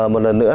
một lần nữa